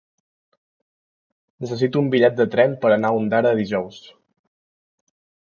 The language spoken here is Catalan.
Necessito un bitllet de tren per anar a Ondara dijous.